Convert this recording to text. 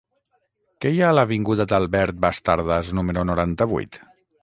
Què hi ha a l'avinguda d'Albert Bastardas número noranta-vuit?